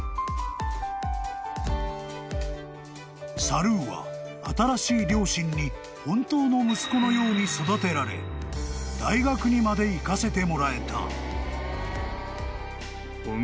［サルーは新しい両親に本当の息子のように育てられ大学にまで行かせてもらえた］